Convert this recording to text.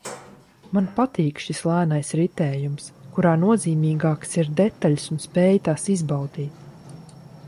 Man patīk šis lēnais ritējums, kurā nozīmīgākas ir detaļas un spēja tās izbaudīt